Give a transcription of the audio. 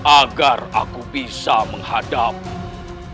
agar aku bisa menghadapi